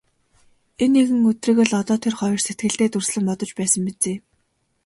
Энэ нэгэн өдрийг л одоо тэр хоёр сэтгэлдээ дүрслэн бодож байсан биз ээ.